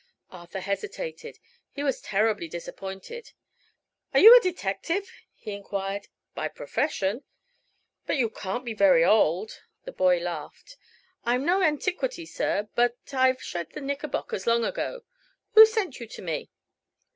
Arthur hesitated; he was terribly disappointed. "Are you a detective?" he enquired. "By profession." "But you can't be very old." The boy laughed. "I'm no antiquity, sir," said he, "but I've shed the knickerbockers long ago. Who sent you to me?"